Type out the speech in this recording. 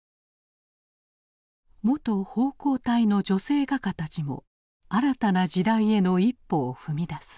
元奉公隊の女性画家たちも新たな時代への一歩を踏み出す。